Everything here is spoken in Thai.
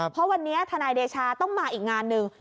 เพราะวันนี้ทนายเดชาต้องมาอีกงานหนึ่ง